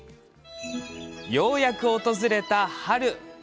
ようやく訪れた春。